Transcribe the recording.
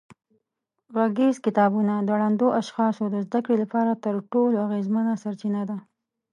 غږیز کتابونه د ړندو اشخاصو د زده کړې لپاره تر ټولو اغېزمنه سرچینه ده.